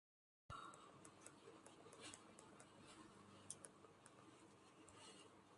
Apa kau tidak bisa berbahasa Inggris?